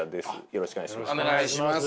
よろしくお願いします。